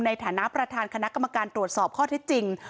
ในฐานะประธานคณะกรรมการตรวจสอบข้อที่จริง